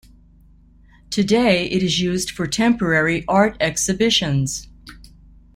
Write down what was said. Today it is used for temporary art exhibitions.